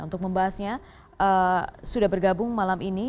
untuk membahasnya sudah bergabung malam ini